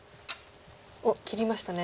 おっ切りましたね。